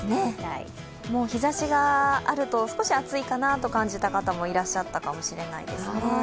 日ざしがあると、少し暑いかなと感じた方もいらっしゃったかもしれませんね。